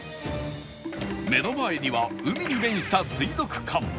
目の前には海に面した水族館